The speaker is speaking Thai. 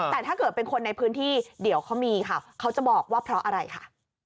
แต่ถ้าเกิดเป็นคนในพื้นที่เดี๋ยวเขามีค่ะเขาจะบอกว่าเพราะอะไรค่ะ